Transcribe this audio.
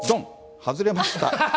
外れました。